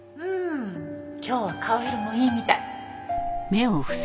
うん今日は顔色もいいみたい。